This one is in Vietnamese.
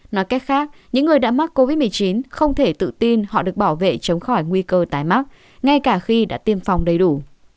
nói cách khác những người đã mắc covid một mươi chín không thể tự tin họ được bảo vệ chống khỏi nguy cơ tái mắc ngay cả khi đã tiêm phòng đầy đủ